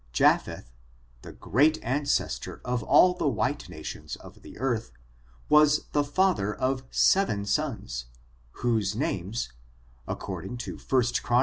Japheth, the great ancestor of all the white na tions of the earth, was the father of seven sons, whose names, according to 1 Chron.